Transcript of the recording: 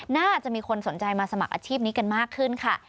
น่าจะมีคนสนใจมาสมัครอาชีพนี้กันมากขึ้นค่ะ